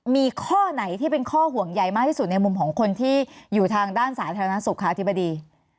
มีข้อไหนที่เป็นข้อห่วงใหญ่มากที่สุดในมุมของคนที่อยู่ทางด้านสาธารณสุขค่ะอธิบดี